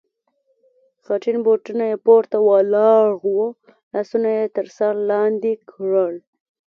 خټین بوټونه یې پورته ولاړ و، لاسونه یې تر سر لاندې کړل.